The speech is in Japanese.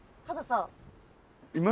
たださ？